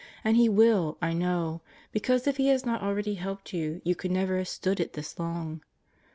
And He will, I know; because if He had not already helped you, you could never have stood it this long.